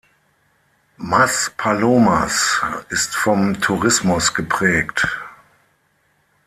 Maspalomas ist vom Tourismus geprägt.